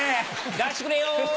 出してくれよ！